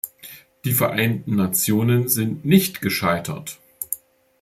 Die Vereinten Nationen sind nicht gescheitert!